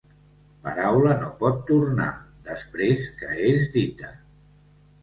Paraula no pot tornar, després que és dita.